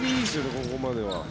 ここまでは。